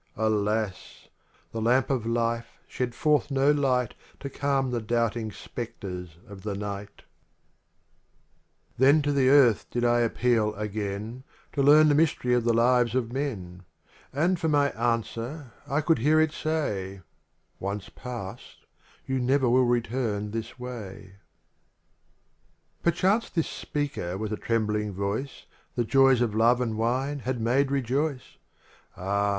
Alas! the lamp of life shed forth no Light To calm the doubting specters of the night. XXXEII jckx:v Original from UNIVERSITY OF MICHIGAN 20 XXXV Then to the earth did I appeal again To learn the mystry of the lives of men. And for my answer I could hear it say: "Once passed, you never will return this way/ xJtxvt Perchance this speaker with a trembling voice The joys of love and wine had made rejoice, Ah!